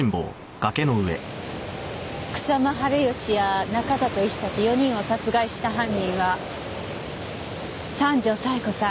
草間治義や中里医師たち４人を殺害した犯人は三条冴子さん